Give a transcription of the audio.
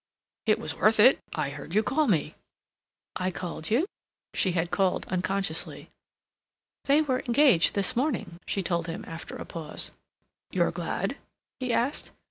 "It was worth it. I heard you call me." "I called you?" She had called unconsciously. "They were engaged this morning," she told him, after a pause. "You're glad?" he asked.